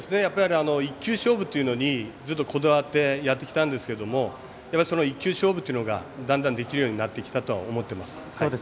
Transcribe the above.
１球勝負というのにずっとこだわってやってきたんですがその１球勝負というのがだんだんできるようになってきたとは思っています。